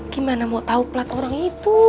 gimana mau tahu plat orang itu